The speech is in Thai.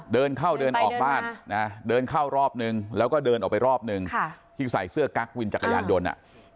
เดินเข้าเดินออกบ้านนะเดินเข้ารอบนึงแล้วก็เดินออกไปรอบนึงที่ใส่เสื้อกั๊กวินจักรยานยนต์